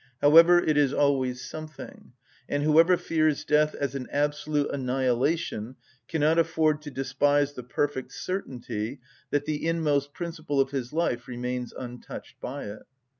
However, it is always something; and whoever fears death as an absolute annihilation cannot afford to despise the perfect certainty that the inmost principle of his life remains untouched by it.